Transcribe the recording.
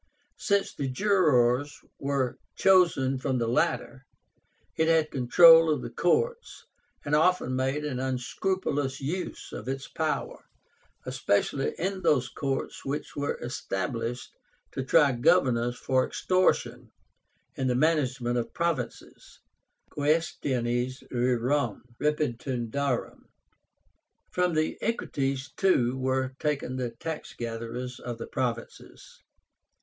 Since the jurors were chosen from the latter, it had control of the courts, and often made an unscrupulous use of its power, especially in those courts which were established to try governors for extortion in the management of provinces (quaestiones rerum repetundarum). From the Equites, too, were taken the tax gatherers of the provinces.